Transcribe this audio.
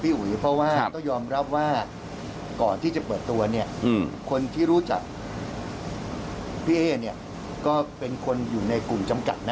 อุ๋ยเพราะว่าต้องยอมรับว่าก่อนที่จะเปิดตัวเนี่ยคนที่รู้จักพี่เอ๊เนี่ยก็เป็นคนอยู่ในกลุ่มจำกัดนะ